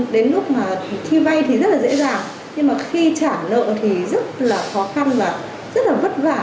đến lúc khi vay thì rất là dễ dàng nhưng khi trả nợ thì rất là khó khăn và rất là vất vả